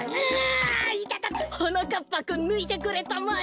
はなかっぱくんぬいてくれたまえ。